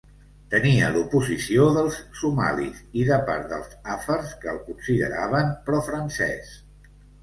Tenia l'oposició dels somalis i de part dels àfars, que el consideraven pro francès.